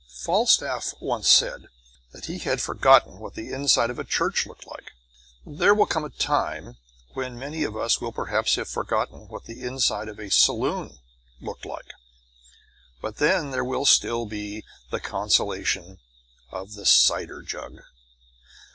Falstaff once said that he had forgotten what the inside of a church looked like. There will come a time when many of us will perhaps have forgotten what the inside of a saloon looked like, but there will still be the consolation of the cider jug.